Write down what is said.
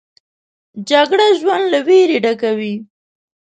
جګړه ژوند له ویرې ډکوي